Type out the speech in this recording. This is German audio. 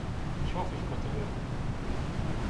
Ich hoffe, ich konnte helfen.